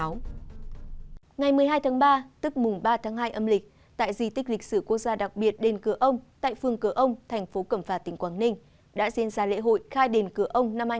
ngày một mươi hai tháng ba tức mùng ba tháng hai âm lịch tại di tích lịch sử quốc gia đặc biệt đền cửa ông tại phường cửa ông thành phố cẩm phả tỉnh quảng ninh đã diễn ra lễ hội khai đền cửa ông năm hai nghìn hai mươi